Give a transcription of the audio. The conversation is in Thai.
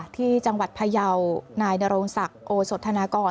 ที่จังหวัดพยาวนายนโรงศักดิ์โอสธนากร